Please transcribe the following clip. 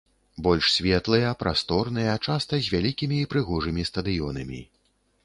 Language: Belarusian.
Больш светлыя, прасторныя, часта з вялікімі і прыгожымі стадыёнамі.